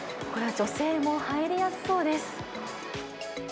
これは女性も入りやすそうです。